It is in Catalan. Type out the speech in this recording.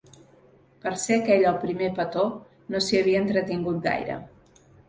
Per ser aquell el primer petó, no s'hi havia entretingut gaire.